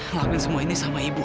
ngelakuin semua ini sama ibu